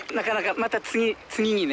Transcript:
また次にね。